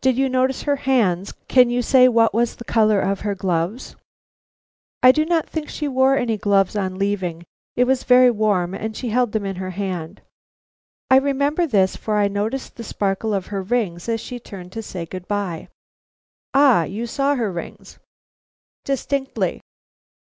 "Did you notice her hands? Can you say what was the color of her gloves?" "I do not think she wore any gloves on leaving; it was very warm, and she held them in her hand. I remembered this, for I noticed the sparkle of her rings as she turned to say good bye." "Ah, you saw her rings!" "Distinctly."